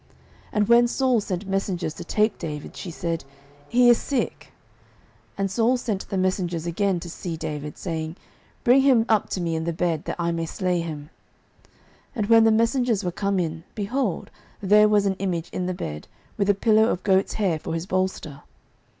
09:019:014 And when Saul sent messengers to take David, she said, He is sick. 09:019:015 And Saul sent the messengers again to see David, saying, Bring him up to me in the bed, that I may slay him. 09:019:016 And when the messengers were come in, behold, there was an image in the bed, with a pillow of goats' hair for his bolster.